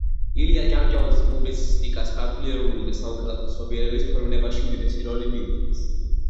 ილია ჭავჭავაძის პუბლიცისტიკას ქართული ეროვნული და სამოქალაქო ცნობიერების ფორმირებაში უდიდესი როლი მიუძღვის.